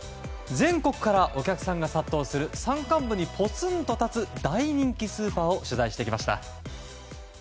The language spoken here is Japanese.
全国からお客さんが殺到する山間部にぽつんと立つ大人気スーパーを取材してきました。